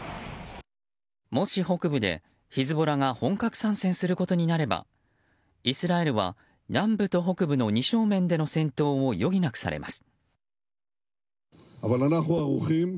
もし、北部でヒズボラが本格参戦することになればイスラエルは南部と北部の二正面での戦闘を余儀なくされます。